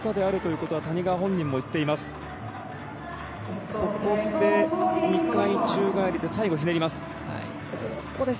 ここで２回宙返りで最後、ひねります。